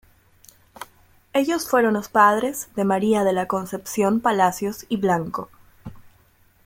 Ellos fueron los padres de María de la Concepción Palacios y Blanco.